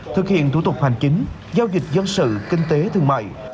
thực hiện thủ tục hành chính giao dịch dân sự kinh tế thương mại